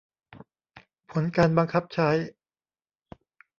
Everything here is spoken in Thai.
ผลการบังคับใช้